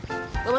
gue masuk dulu ya